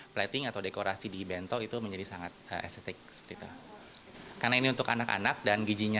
plating atau dekorasi di bento itu menjadi sangat estetik seperti itu karena ini untuk anak anak dan giginya